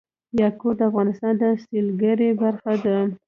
یاقوت د افغانستان د سیلګرۍ برخه ده.